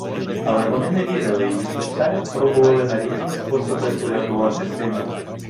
Але вони не вірили й усе пробували на різні способи урятувати сина.